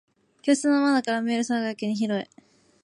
教室の窓から見える空がやけに広い。